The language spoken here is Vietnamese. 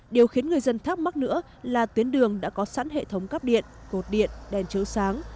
điều khiến người dân thắc mắc nữa là tuyến đường đã có sẵn hệ thống cắp điện cột điện đèn chiếu sáng